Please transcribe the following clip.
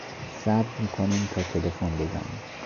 صبر میکنیم تا تلفن بزنی.